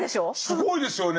すごいですよね。